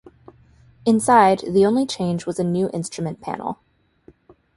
Inside, the only change was a new instrument panel.